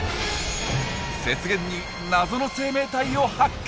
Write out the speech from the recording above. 雪原に謎の生命体を発見！